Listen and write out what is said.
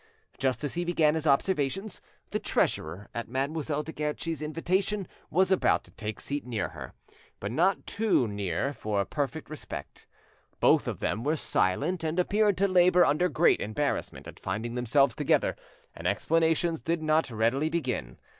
Just as he began his observations, the treasurer at Mademoiselle de Guerchi's invitation was about to take a seat near her, but not too near for perfect respect. Both of them were silent, and appeared to labour under great embarrassment at finding themselves together, and explanations did not readily begin.